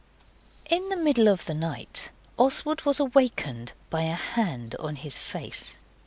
In the middle of the night Oswald was awakened by a hand on his face.